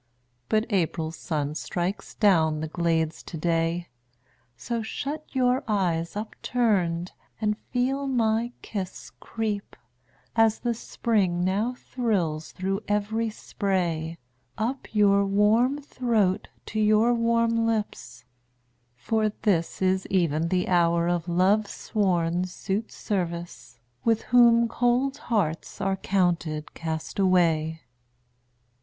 But April's sun strikes down the glades to day; So shut your eyes upturned, and feel my kiss Creep, as the Spring now thrills through every spray, Up your warm throat to your warm lips: for this Is even the hour of Love's sworn suitservice, With whom cold hearts are counted castaway.